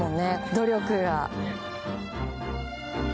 努力が。